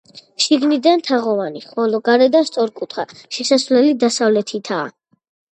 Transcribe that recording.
შიგნიდან თაღოვანი, ხოლო გარედან სწორკუთხა შესასვლელი დასავლეთითაა.